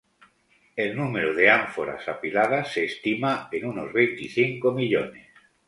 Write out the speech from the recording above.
El número de ánforas apiladas se estima en unos veinticinco millones.